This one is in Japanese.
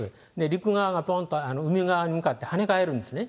陸側がぽんと海側に向かって跳ね返るんですね。